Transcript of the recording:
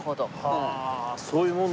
はあそういうものなんだ。